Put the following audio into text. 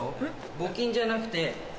募金じゃなくて。